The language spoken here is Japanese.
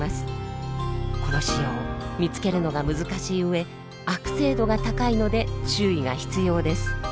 この腫瘍見つけるのが難しい上悪性度が高いので注意が必要です。